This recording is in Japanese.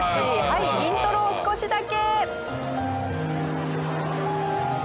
イントロを少しだけ。